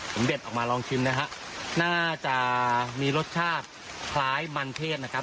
ผมเด็ดออกมาลองชิมนะฮะน่าจะมีรสชาติคล้ายมันเทศนะครับ